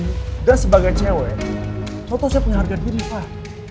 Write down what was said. karena sebagai cewek lo tuh siap menghargai diri fah